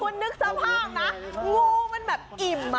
คุณนึกสภาพนะงูมันแบบอิ่ม